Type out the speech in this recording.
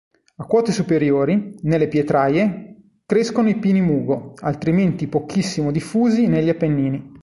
A quote superiori, nelle pietraie, crescono i pini mugo, altrimenti pochissimo diffusi negli Appennini.